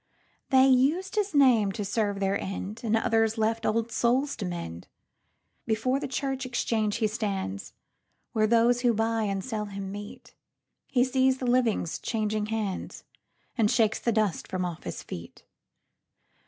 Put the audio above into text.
They us'd his name to serve their end, And others left old souls to mend. Before the church exchange he stands, Where those who buy and sell him, meet:He sees his livings changing hands, And shakes the dust from off his feet.